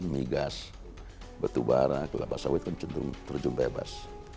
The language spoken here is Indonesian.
migas batubara kelapa sawit kan cenderung terjun bebas